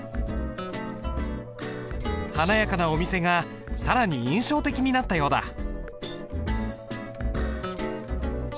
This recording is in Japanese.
華やかなお店が更に印象的になったようだ。